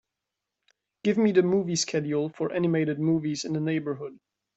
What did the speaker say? Give me the movie schedule for animated movies in the neighbourhood